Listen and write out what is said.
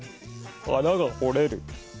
穴がほれる。